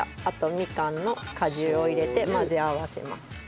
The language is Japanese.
あとみかんの果汁を入れて混ぜ合わせます。